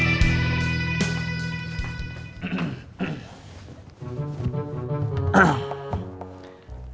bukan di mana mana